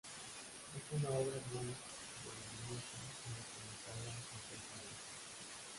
Es una obra muy voluminosa y documentada, en seis libros.